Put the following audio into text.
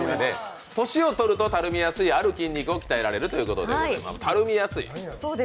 年をとるとたるみやすい、ある筋肉を鍛えられるということです。